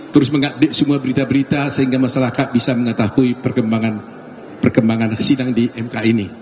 terus mengupdate semua berita berita sehingga masyarakat bisa mengetahui perkembangan sidang di mk ini